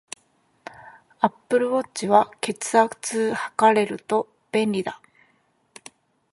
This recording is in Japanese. アップルウォッチは、血圧測れると便利だ